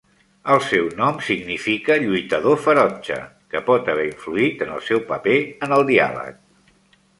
El seu nom significa "lluitador ferotge", que pot haver influït en el seu paper en el diàleg.